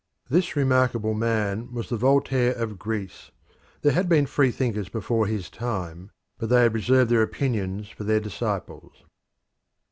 This remarkable man was the Voltaire of Greece; there had been free thinkers before his time, but they had reserved their opinions for their disciples.